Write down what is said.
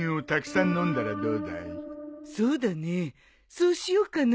そうしようかな。